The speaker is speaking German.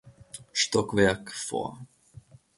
Stockwerk vor.